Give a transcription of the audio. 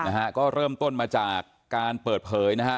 นะฮะก็เริ่มต้นมาจากการเปิดเผยนะฮะ